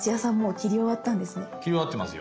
切り終わってますよ。